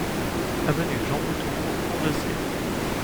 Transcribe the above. Avenue Jean Boutton aux Ponts-de-Cé